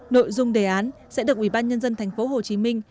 nội dung đề án sẽ được ủy ban nhân dân thành phố hồ chí minh